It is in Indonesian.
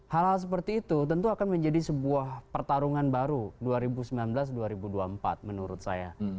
hal hal seperti itu tentu akan menjadi sebuah pertarungan baru dua ribu sembilan belas dua ribu dua puluh empat menurut saya